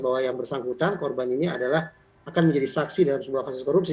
bahwa yang bersangkutan korban ini adalah akan menjadi saksi dalam sebuah kasus korupsi